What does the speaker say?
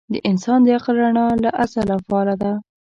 د انسان د عقل رڼا له ازله فعاله ده.